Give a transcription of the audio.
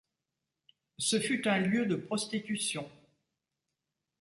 Ce fut un lieu de prostitution.